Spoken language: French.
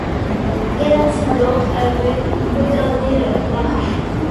Quels incidents avaient retardé leur marche?